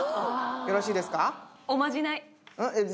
よろしいですか？